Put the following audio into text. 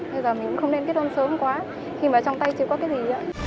bây giờ mình cũng không nên kết hôn sớm quá khi mà trong tay chưa có cái gì nữa